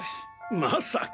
まさか！